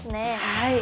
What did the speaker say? はい。